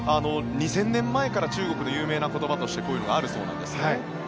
２０００年前から中国の有名な言葉としてこういうのがあるそうなんですね。